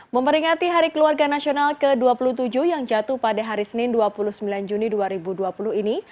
memperingati hari keluarga nasional ke dua puluh tujuh yang jatuh pada hari senin dua puluh sembilan juni dua ribu dua puluh ini